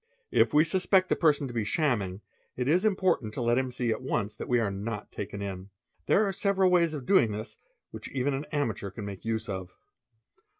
If we suspect the person to be shamming, it is important 'let him see at once that we are not taken in. There are several ways doing this which even an amateur can make use of.